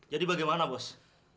jadi bagaimana bos